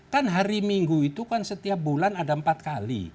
kan hari minggu itu kan setiap bulan ada empat kali